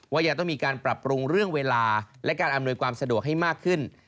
ยังต้องมีการปรับปรุงเรื่องเวลาและการอำนวยความสะดวกให้มากขึ้น